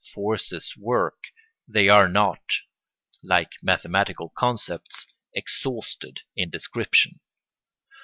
Forces work; they are not, like mathematical concepts, exhausted in description.